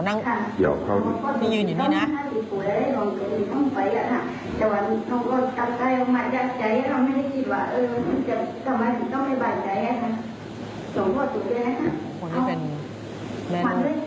อ๋อนั่งนี่ยืนอยู่นี่นะ